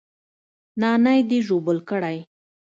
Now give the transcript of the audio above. نانى دې ژوبل کړى.